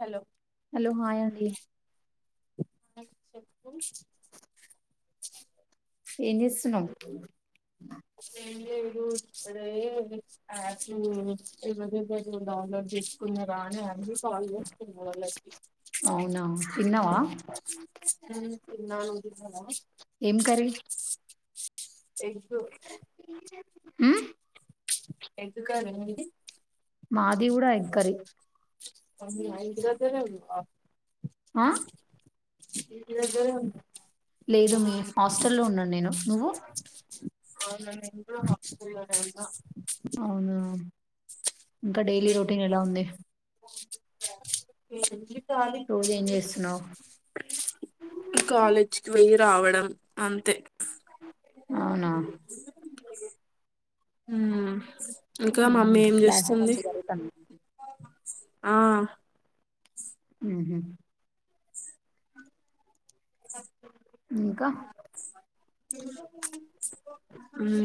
Hollow hello hi [inaudible] అండి ఏం చేస్తున్నావ్ ఏం లేదు ఇప్పుడే [inaudible] పెర్లు డౌన్లోడ్ చేసుకున్నరా అని అన్ని అవునా తిన్నావా [unintelligible] తిన్నాను తిన్నవా ఏం కర్రీ ఎగ్గు ఆ ఎగ్ కర్రీ మీది మాది కూడా ఎగ్ కర్రీ ఇంటీ దగ్గరే ఉంటావ ఆ ఇంటి దగ్గరే ఉంటావ లేదు మీ హాస్టల్లో ఉన్నాను నేను నువ్వు అవునండిఇన్నిరోజులు హాస్టల్ ఉన్న అవునా ఇంకా డైలీ రొటీన్ ఎలా ఉంది ఏంజి రోజు ఏం చేస్తున్నావు [unintelligible] కాాలేజ్ కి వోయత్ రావడం అంతే అవునా [unintelligible] ఉమ్ ఇంకా ఉహు మమ్మీ ఏం క్లాస్ జేస్తుంది మంచిగా జరుగుతాందా ఆహా ఉహు ఇంకా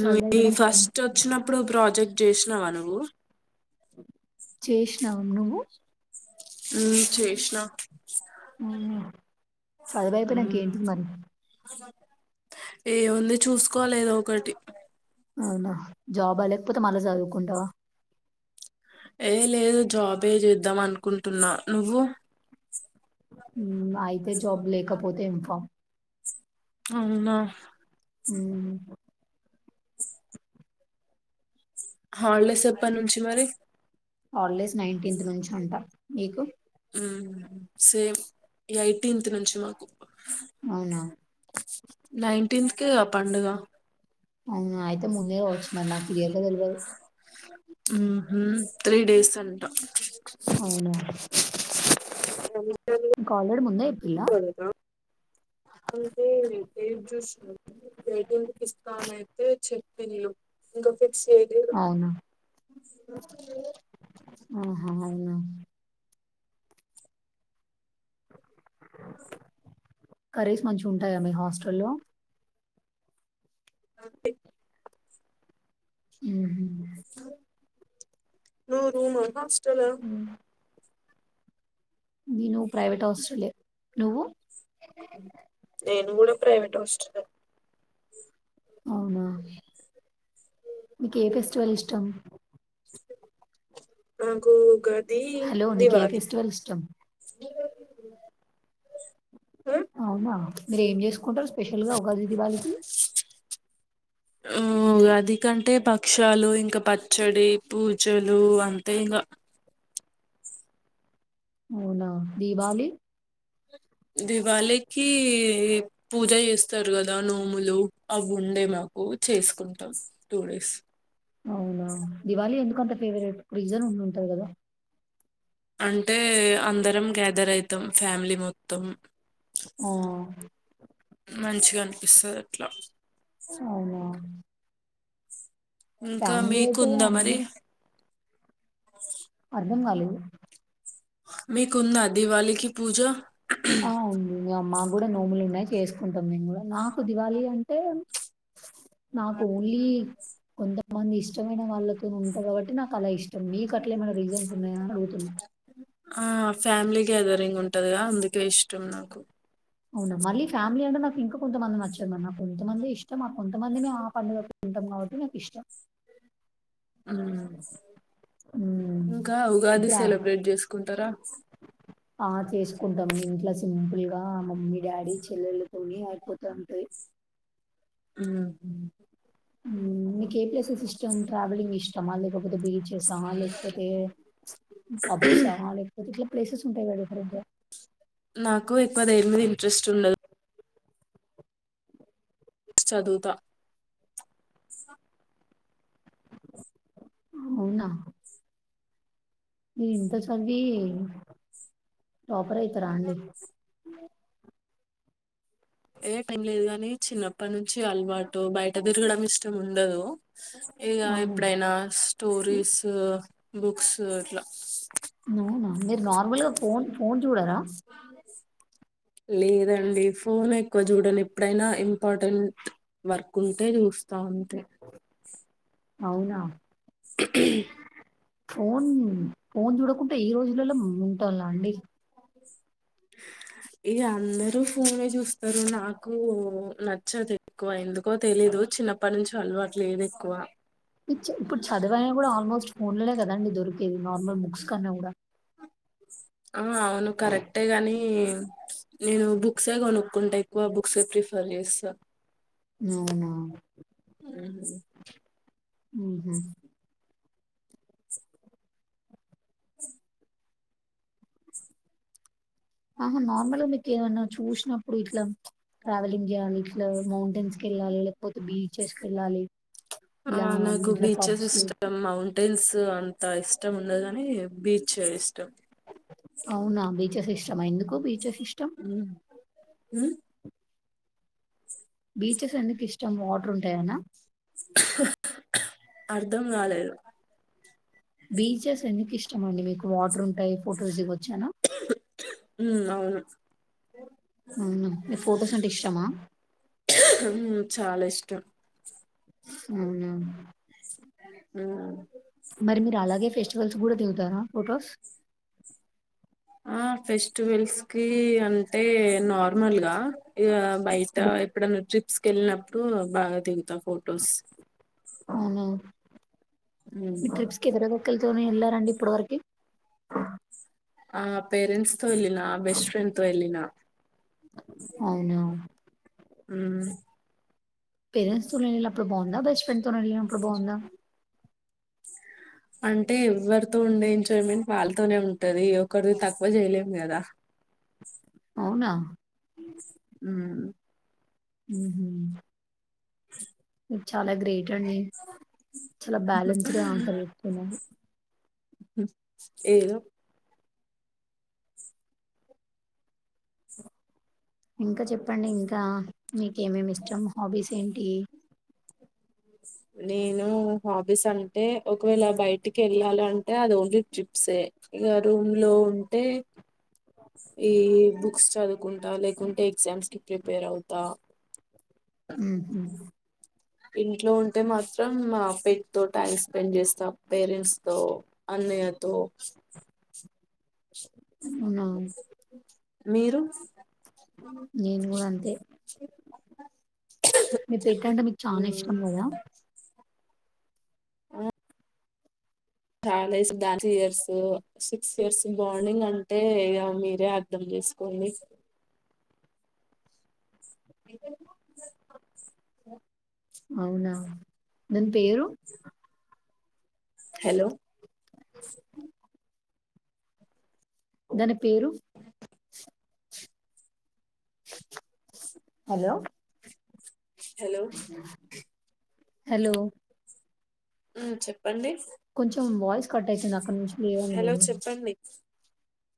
చదువు మీ అయిపోయినాక ఏం ఫస్ట్ వచ్చినప్పు అప్పుడు ప్రాజెక్ట్ చేసినావా నువ్వు చేసినాం నువ్వు ఉ చేసిణ అవునా చదువు అయిపోయినాక ఏంటిది మరి ఉహు ఏముంది చూసుకోలదు ఒకటి అవునా జాబ్ అలకపోతే మల్ల జధువుకుంటవా ఏ లేదు జాబ్ ఏ చేద్దాం అనుకుంటున్నా నువ్వు అయితే జాబ్ లేకపోతే ఇన్ఫామ్ అవునా ఉ హాలిడేస్ ఎప్ప నుంచి మరి హాలిడేస్ నైన్టీన్త్ నుంచి అంట మీకు మ్మ్. సేమ్ నాటీన్త్ నుంచి మాకు అవునా నైన్టీన్త్ క పండుగ అవునా అయితే ముందే వచ్చు మరి నాకు క్లియర్ గా తెలియదు ఉ హు త్రీ డేస్ అంటా అని నీకు ఆల్రెడీ ముందే ఇ అ లాగ అంటే ఫేస్ జూసిల్లు పిస్తా నయితే చెప్పి ల్లు ఇంకా సీడెడ్ అవునా ఆవునా అ కరేస్ మంచి ఉంటాయా మీ హాస్టల్లో బ మ్మ్. స నువు రూమా హాస్టల మ్మ్. నేను ప్రైవేట్ హాస్టలే నువ్వు నేను కూడా ప్రైవేట్ హాస్టలే అవునా మీకే ఏ ఫెస్టివల్ ఇష్టం నాకు గది హలో నీకు ఏ దివాలి ఫెస్టివల్ ఇష్టం అవునా మీరు ఏం చేసుకుంటారు స్పెషల్ గా ఉగాది దివళికి ఉమ్ ఉగాదికి అంటే బక్ క్షాలు ఇంకా పచ్చడి పూజలు అంతే ఇంగ అవునా దీపావళి దివాలీకి పూజ చేస్తారు కదా నోములు అఉండే మాకు చేసుకుంటాం టూ డేస్ అవునా దివాళి ఎందుకు అంత ఫేవరెట్ రీజన్ ఉండి ఉంటది కదా అంటే అందరం గ్యాదర్ అయితాం ఫ్యామిలీ మొత్తం ఆ మంచిగా అనిపిస్తది ట్లా అవునా ఇంకా ఫ్యామిలీ మీకు అయితే ఉందా మరి అందరూ అర్థం కాలేదు. మీ కుందా దివాలీకి పూజ అఉంది మాకు కూడా నోములు ఉన్నాయి చేసుకో నాకు దివాళి అంటే ప్చ్. నాకు ఓన్లీ కొంతమంది ఇష్టమైన వాళ్ళతోని ఉంటా కాబట్టి నాకు అలా ఇష్టం. మీకు అట్లే ఏమైనా రీజన్స్ ఉన్నాయాని అడుగుతున్నా. ఆహ్ ఫ్యామిలీ గ్యాదరింగ్ ఉంటదిగా అందుకే ఇష్టం నాకు. అవునా మళ్ళీ ఫ్యామిలీ అంటే నాకు ఇంకా కొంతమంది నచ్చదు నాకు. కొంతమంది ఇష్టం నాకు. కొంతమందిమి ఆ పండగకు తింటాం కాట్టి మేము. ఇష్టం. ఆహ్ రోమన్స్. హ్మ్. ఇంకా ఉగాది సెలబ్రేట్ చేసుకుంటారా. ఆహ్ చేసుకుంటాం ఇంట్లో సింపుల్గా. ఆహ్ మమ్మీ డాడి చెల్లెల్ల తోనే ఆయిపోత ఉంటది. ఉమ్మ్. ఉమ్ మీకు ఏ ప్లేసెస్ ఇష్టం ట్రావెలింగ్ ఇష్టమా లేకపోతే బీచెసా లేకపోతే ప్చ్ పబ్సా లేకపోతే ఇట్లా ప్లేసెస్. ఉంటాయి కదా. డిఫరెంట్‌గా. నాకు ఎక్కువ దేని మీది ఇంట్రెస్ట్ ఉండదు. చదువుత. అవునా. మీరు ఇంత చదివి. టాపర్ అయితరాండి. ఏ టైం లేదు గాని చిన్నప్పటి నుంచి అలవాటు బయట తిరగడం ఇష్టం ఉండదు. ఇగ అవును. ఎప్పుడైనా స్టోరీస్ బుక్స్ అట్లా. అవునా! మీరు నార్మల్‌గా ఫోను ఫోను చూడరా? లేదండి ఫోన్ ఎక్. ఎక్కువ చూడని ఎప్పుడైనా ఇంపార్టెంట్. వర్క్ ఉంటే చూస్తా అంతే. అవునా! ఫోన్ ఫోన్ చూడకుంటే ఈ రోజులలో ఉంటారా అండి. ఇగ అందరూ ఫోన్ చూస్తారు. నాకు నచ్చదు ఎక్కువ ఎందుకో తెలీదు. చిన్నప్పటి నుంచి అలవాటు లేదు ఎక్కువ. ఇచ్ ఇప్పుడు చదువైనా కూడా ఆల్మోస్ట్ ఫోన్లనే కదా. కదండి దొరికేది నార్మల్ బుక్స్ కన్నా కూడా. ఆహ్ అవును కరెక్టే గాని నేను బుక్సే కొనుక్కుంటా. ఎక్కువ బుక్సే ప్రిఫర్ చేస్తా. అవునా. ఉమ్. ఉహూ. ఆహ్ మర్. అమ్మలో మీకు ఏమన్నా చూసినప్పుడు ఇట్లా ప్చ్ ట్రావెలింగ్ చేయాలి. ఇట్లా మౌంటైన్స్ కి వెళ్ళాలి. లేకపోతే బీచెస్కి వెళ్ళాలి. ప్చ్ ఇలా ఇట్లా పబ్స్ కి వెళ్లా. టిల్స్ అంత ఇష్టం ఉండది గనీ. బీచే ఇష్టం. చమ ఎందుకు. ఓ బిచేస్ సిస్టమ్. హుమ్. బీచెస్ ఎందుకు ఇష్టం, వార్రుట యనా. అర్ధం కాలేదు. బీచెస్ ఎందుకు ఇష్టమండి మీకు. వార్రుటాయ్ ఉంటాయి, ఫొటోస్ దిగొచ్చున. ఉ అవును. అవును ఫోటోస్ అంటే ఇష్టమా. త అవునా. [inaudible] మరి మీరు అలాగే ఫెస్టివల్స్ కూడా, దిగుతారా. ఫోటోస్. ఆ ఫెస్టివల్స్ కి అంటే, నార్మల్ గా ఇగ. బైట ఎక్కడ నుంచి. స్కెళ్ళినప్పుడు, బాగా దిగుతా ఫోటోస్. అవును. ఉమ్ మీ ట్రిప్స్ కి ఎవరెవఅక్కలతో వెళ్ళారండి ఇప్పడు వరకి. ఆ పేరెంట్స్ తో ఎళ్ళిన, బెస్ట్ ఫ్రెండ్ తో ఎళ్ళిన. అవునా. ఉమ్. పేరెంట్స్ తోనీ ఎళ్ళీ అప్పుడు బగుందా, బెస్ట్ ఫ్రెండ్ తోనీ ఎళ్ళీ నప్పుడు బాగుందా. అంటే ఎవరితో ఉండే ఎంజాయిమెంట్ వాళ్ళతోనే ఉంటది, ఒకరిది తక్కువ జెయలేం గదా. అవునా. ఉమ్. ఉహు. చాలా గ్రేట్ అండి. చాలా బ్యాలెన్స్డ్ గా ఉంటది ఎప్పుడూ ఇలాగే. ఏదో. ఇంకా చెప్. చెప్పండి ఇంకా, మీకె మేమి ఇష్టం, హాబీస్ ఏంటీ. నేను హాబీస్ అంటే ఒకవేళ బయటికి ఎళ్ళాలంటే అది ఓన్లీ ట్రిప్సే ఇగ రూమ్ లో ఉంటే ఈ బుక్స్ చదువుకుంటా లేకుంటే ఎగ్జామ్స్ కి ప్రిపేర్ అవుతా ఊహు ఇంట్లో ఉంటే మాత్రం మా పెట్ తో టైమ్ స్పెండ్ చేస్తా పేరెంట్స్ తో అన్నయ్యతో అవునా! [unintelligible] మీరు నేను గూడంతే మీ పేట్ అంటే మీకు చాన హ్మ్ ఇష్టం కదా చాలా ఇష్టం డాన్స్ చేస్తదో సిక్స్ ఇయర్స్ బాండింగ్ అంటే ఇగ మీరే అర్థం చేసుకోండి [unintelligible] అవునా దాన్ పేరు హలో దాని పేరు హలో హలో [inaudible] హలో ఊ చెప్ కొంచెం వాయిస్ కట్ అయితుంది అక్కడ్నుంచి హలో లేవండిమీరు చెప్పండి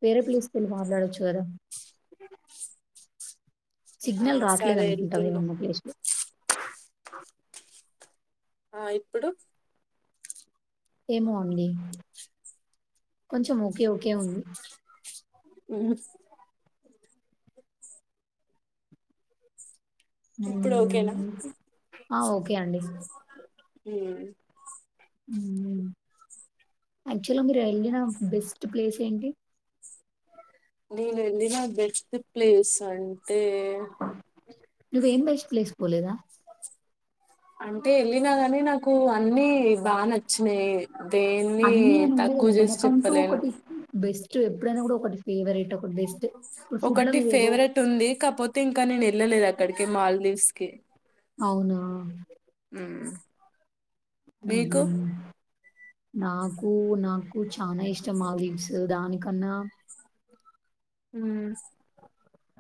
వేరే ప్లేసుకెళ్ళి మాట్లాడొచ్చు కదా ఆ సిగ్నల్ సరే రాట్లేదనుకుంటా వెళ్తున్నా మేమున్న ప్లేస్ లో ఆ ఇప్పుడు? ఏమో అండీ కొంచెం ఓకే ఓకే ఉంది ఊస్ ఊ ఇప్పుడు ఓకేనా ఆ ఓకే అండి హూ ఉ నేను ఆక్చువల్గా మీరెళ్ళిన బెస్ట్ ప్లేస్ ఏంటి నేనెళ్లినా బెస్ట్ ప్లేస్ అం నువ్వేం బెస్ట్ ప్లేస్ పోలేదా అంటే ఎళ్ళినా గనీ నాకు అన్ని బా నచ్చినయే అన్ని అని ఉండదు గదా మనకంటూ చెప్పలేను ఒకటి ఎప్పుడైనా కూడా ఒకటి ఫేవరెట్ ఒకటి బెస్ట్. ఇప్పుడు ఫుడ్‌లో ఒకటి మీరేవో ఫేవరెట్ ఉంది కాపోతే ఇంక నేను వెళ్ళలేదు అక్కడకి మాల్దీస్ కి అవునా? ఉమ్ ఉమ్మ్ నాకు నాకు చాల ఇష్టం మావ్ దీసు వ్స్ దానికన్నా హ్మ్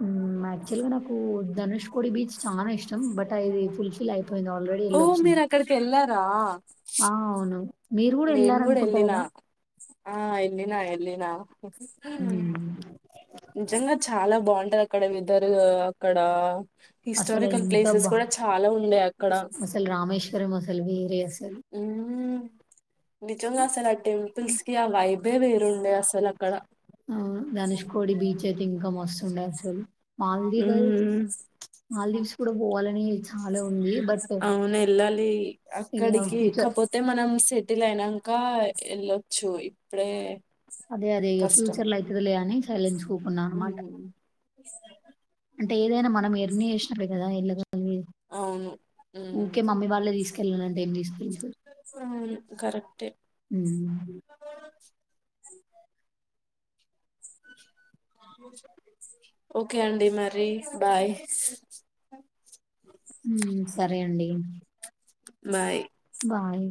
హ్మ్. యాక్చువల్‌గా నాకు ధనుష్కోడి బీచ్ చానా ఇష్టం. బట్ అది ఫుల్‌ఫిల్ అయిపోయింది. ఆల్రెడీ ఓ ఎళ్ళొచ్చాను. మీర్ అక్కడ్ కెలా క ఆ ఆ అవును మీరు కూడా ఎళ్లారనుకుంటా కదా ఆ ఎల్లినా ఎల్లినా ఒక్క సారి పోయిన హ్మ్. [unintelligible] నిజంగా చాలా బాగుంటది అక్కడ వెదరు అక్కడ అసలు హిస్టారికల్ ఎంత ప్లేసెస్ బ కూడా చాలా ఉండే అక్కడ అసలు రామేశ్వరం అసలు వేరే అస్ ఉమ్మ్మ్ ఉ నిజంగా అసల ఆ టెపుల్స్ కి ఆ వైబ్ వేబే వేరుండే అసల్ అక్కడ అవును. ధనుష్కోడి బీచ్ అయితే ఇంకా మస్తుండే అసలు. ఉమ్ మాల్దీవ్స్ ఉమ్ మాల్దీవ్స్ కూడా పోవాలని చాలా ఉంది. బట్ అవును ఎల్లాలి అక్ ఇగ అక్కడికి ఫ్యూచర్ కాపోతే మనం సెట్ టిల్ అయినంక ఎ ఎళ్ళొచ్చు ఇప్ డే అదే అదే ఇక ఫ్యూచర్ లో అయితది లే అని సైలెన్స్ కూకున్నా అన్ మాట ఉమ్ [unintelligible] అంటే ఏదైనా మనం ఎర్న్ చేశ్ నపుడే కదా ఎళ్ళ గలిగేది అవును హ్మ్ తీసుకెళ్ళనంటే ఏం తీసుకెళ్తారు. ఉమ్ కరెక్ట్ హ్మ్. ఓకే అండి మరి బాయ్ ఉమ్ సరే అండి బాయ్ బాయ్